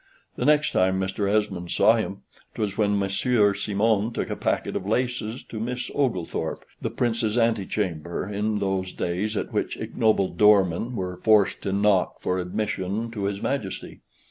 The next time Mr. Esmond saw him, 'twas when Monsieur Simon took a packet of laces to Miss Oglethorpe: the Prince's ante chamber in those days, at which ignoble door men were forced to knock for admission to his Majesty.